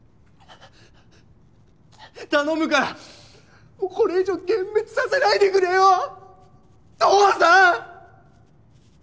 頼むからもうこれ以上幻滅させないでくれよ父さん！